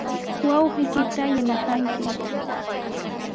Wawqiykita yanapanki.